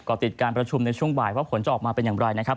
ก็ติดการประชุมในช่วงบ่ายว่าผลจะออกมาเป็นอย่างไรนะครับ